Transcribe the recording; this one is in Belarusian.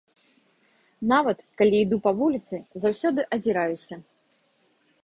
Нават, калі іду па вуліцы, заўсёды азіраюся.